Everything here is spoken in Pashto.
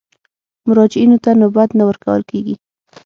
مراجعینو ته نوبت نه ورکول کېږي.